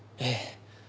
ええ。